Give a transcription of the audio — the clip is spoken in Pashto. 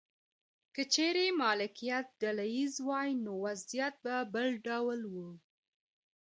که چیرې مالکیت ډله ایز وای نو وضعیت به بل ډول و.